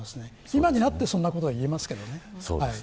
今になってそのことは言えますけどね。